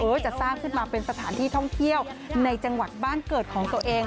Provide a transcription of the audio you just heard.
จะสร้างขึ้นมาเป็นสถานที่ท่องเที่ยวในจังหวัดบ้านเกิดของตัวเอง